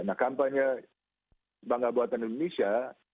nah kampanye bangga buatan indonesia